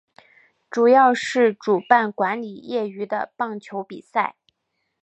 主要是主办管理业余的棒球比赛。